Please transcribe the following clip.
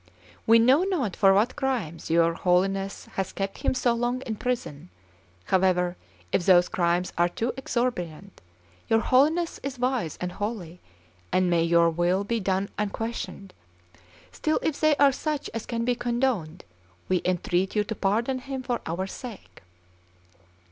We know not for what crimes you Holiness has kept him so long in prison; however, if those crimes are too exorbitant, your Holiness is wise and holy, and may your will be done unquestioned; still, if they are such as can be condoned, we entreat you to pardon him for our sake."